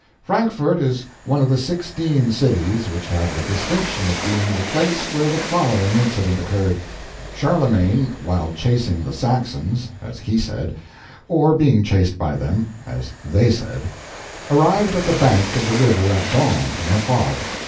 Frankfort is one of the sixteen cities which have the distinction of being the place where the following incident occurred. Charlemagne, while chasing the Saxons (as HE said), or being chased by them (as THEY said), arrived at the bank of the river at dawn, in a fog.